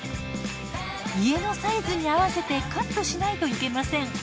家のサイズに合わせてカットしないといけません。